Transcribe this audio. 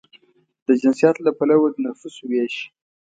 د جنسیت له پلوه د نفوسو وېش